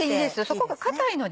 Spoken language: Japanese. そこが硬いので。